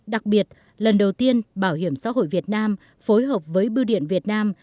đặc biệt lần đầu tiên bảo hiểm xã hội việt nam phối hợp với bưu điện việt nam